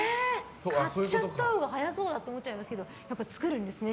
買っちゃったほうが早そうだと思うんですけどやっぱり作るんですね